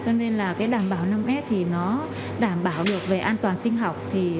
nên đảm bảo năm s đảm bảo được về an toàn sinh học